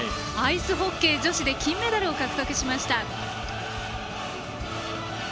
アイスホッケー女子で金メダルを獲得しました。